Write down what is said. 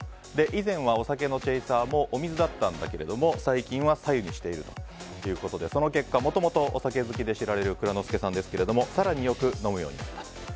以前はお酒のチェイサーもお水だったんだけれども最近はさゆにしているということでその結果もともとお酒好きで知られる蔵之介さんですが更によく飲むようになったと。